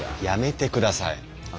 やめてください。